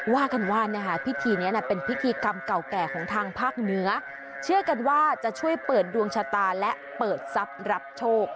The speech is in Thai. ว่ากันว่านะคะพิธีนี้เป็นพิธีกรรมเก่าแก่ของทางภาคเหนือเชื่อกันว่าจะช่วยเปิดดวงชะตาและเปิดทรัพย์รับโชค